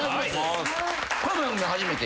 この番組初めて？